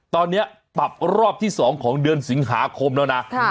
ตอนนี้ปรับรอบที่๒ของเดือนสิงหาคมแล้วนะ